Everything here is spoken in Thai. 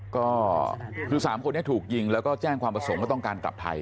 ก็คือ๓คนนี้ถูกยิงแล้วก็แจ้งความประสงค์ว่าต้องการกลับไทย